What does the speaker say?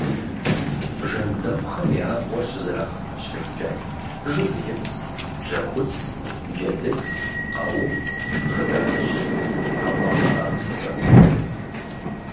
Бжэндэхъухэм я абгъуэр щызэрагъэпэщыжкӀэ жыглыц, бжьэхуц, джэдыц, къауц, хъыданыжь, хьэуазэ къагъэсэбэп.